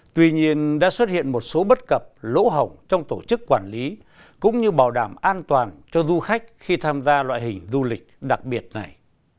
tuy nhiên đã xuất hiện một số bất cập lỗ hồng trong tổ chức quản lý cũng như bảo đảm an toàn cho du khách khi tham gia loại hình du lịch đặc biệt này